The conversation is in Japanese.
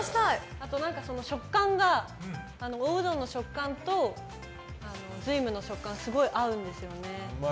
あと、おうどんの食感と瑞夢の食感すごい合うんですよね。